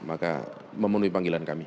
maka memenuhi panggilan kami